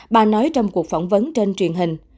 bà nói trong cuộc phỏng vấn trên truyền hình